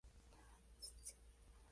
Interpretó a Angus.